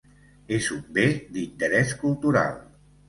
És un bé d'interès cultural.